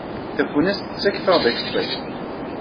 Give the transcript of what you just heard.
Tafunast tettakf-aɣ-d akeffay.